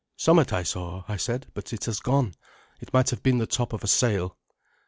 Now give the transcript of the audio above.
"Somewhat I saw," I said, "but it has gone. It might have been the top of a sail."